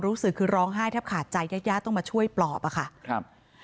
รู้สึกคือร้องไห้แทบขาดใจญาติญาติต้องมาช่วยปลอบอะค่ะครับ